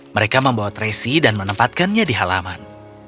mereka membawa tracy dan menempatkannya di halaman